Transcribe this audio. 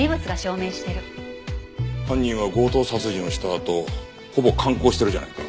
犯人は強盗殺人をしたあとほぼ観光してるじゃないか。